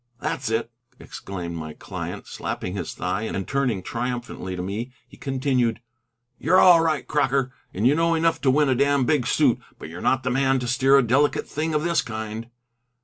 "That's it," exclaimed my client, slapping his thigh, and turning triumphantly to me, he continued, "You're all right, Crocker, and know enough to win a damned big suit, but you're not the man to steer a delicate thing of this kind."